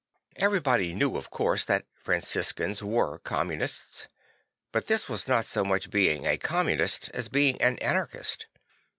Everybody knew of course that Franciscans were communists; but this was not so much being a communist as being an anarchist.